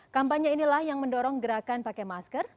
kampanye inilah yang mendorong gerakan pakai masker